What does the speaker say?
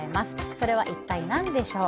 それは一体何でしょう。